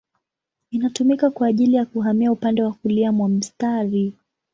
Inatumika kwa ajili ya kuhamia upande wa kulia mwa mstari.